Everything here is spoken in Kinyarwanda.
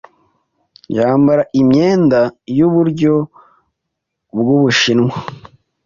Yambara imyenda yuburyo bwubushinwa.